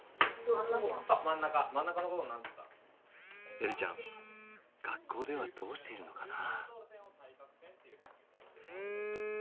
えるちゃん学校ではどうしているのかな？